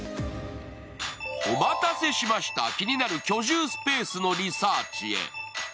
お待たせしました、気になる居住スペースのリサーチへ。